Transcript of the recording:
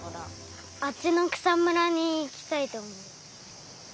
あっちのくさむらにいきたいとおもいます。